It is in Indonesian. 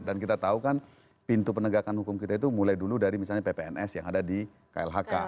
kita tahu kan pintu penegakan hukum kita itu mulai dulu dari misalnya ppns yang ada di klhk